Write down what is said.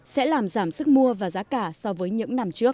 sẽ làm giảm sức mua và giá cả so với những năm trước